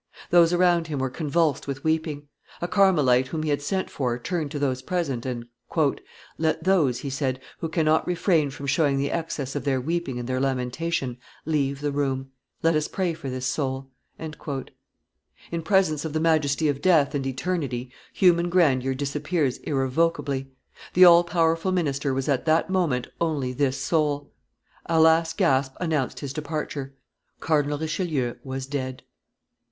Those around him were convulsed with weeping. A Carmelite whom he had sent for turned to those present, and, "Let those," he said, "who cannot refrain from showing the excess of their weeping and their lamentation leave the room; let us pray for this soul." In presence of the majesty of death and eternity human grandeur disappears irrevocably; the all powerful minister was at that moment only this soul. A last gasp announced his departure; Cardinal Richelieu was dead.